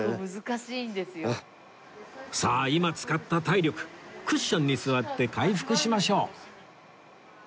さあ今使った体力クッションに座って回復しましょう